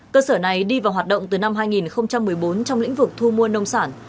cơ sở này đi vào hoạt động từ năm hai nghìn một mươi bốn trong lĩnh vực thu mua nông sản